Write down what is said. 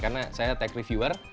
karena saya tech reviewer